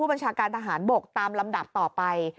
บัญชาการทหารบกตามลำดับต่อไป